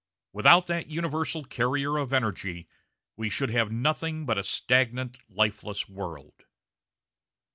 Without that universal carrier of energy we should have nothing but a stagnant, lifeless world.